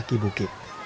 di kaki bukit